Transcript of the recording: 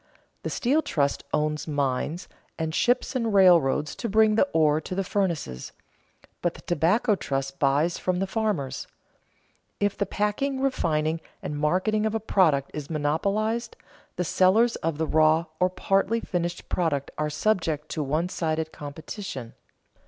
The steel trust owns mines, and ships and railroads to bring the ore to the furnaces; but the tobacco trust buys from the farmers. If the packing, refining, and marketing of a product is monopolized, the sellers of the raw or partly finished product are subject to one sided competition.